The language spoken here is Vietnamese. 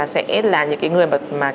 sẽ là những người mà